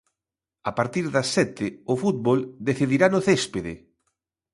A partir das sete, o fútbol decidirá no céspede.